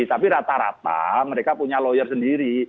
tapi rata rata mereka punya lawyer sendiri